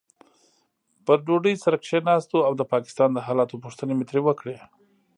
پر ډوډۍ سره کښېناستو او د پاکستان د حالاتو پوښتنې مې ترې وکړې.